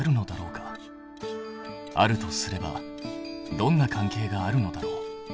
あるとすればどんな関係があるのだろう？